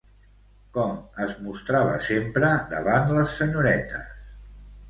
Com es mostrava sempre davant les senyoretes?